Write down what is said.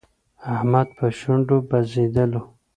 احمد په شونډو بزېدلو.